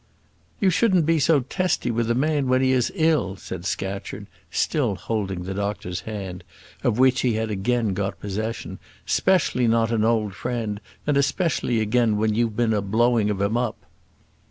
"You shouldn't be so testy with a man when he is ill," said Scatcherd, still holding the doctor's hand, of which he had again got possession; "specially not an old friend; and specially again when you're been a blowing of him up."